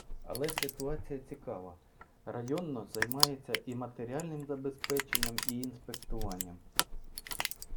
Але ситуація цікава: районо займається і матеріальним забезпеченням, і інспектуванням.